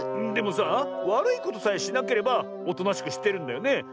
でもさあわるいことさえしなければおとなしくしてるんだよね？